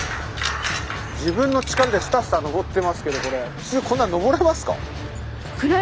自分の力でスタスタ登ってますけどこれ普通こんな登れますか？